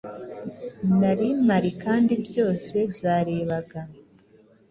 Nari mpari kandi byose byarebaga